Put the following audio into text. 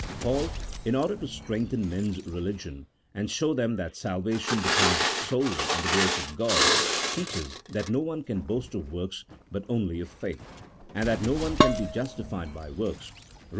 Paul, in order to strengthen men's religion, and show them that salvation depends solely on the grace of God, teaches that no one can boast of works, but only of faith, and that no one can be justified by works (Rom.